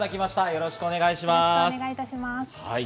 よろしくお願いします。